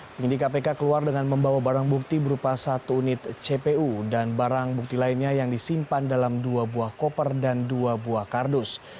penyidik kpk keluar dengan membawa barang bukti berupa satu unit cpu dan barang bukti lainnya yang disimpan dalam dua buah koper dan dua buah kardus